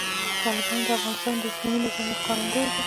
تالابونه د افغانستان د اقلیمي نظام یو ښکارندوی دی.